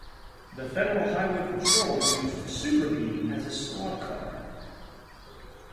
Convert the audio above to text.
The federal highway patrol used Super Bee as a squad car.